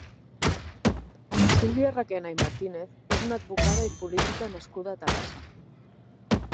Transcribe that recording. Sílvia Requena i Martínez és una advocada i política nascuda a Terrassa.